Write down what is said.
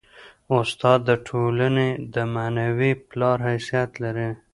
استاد د ټولني د معنوي پلار حیثیت لري.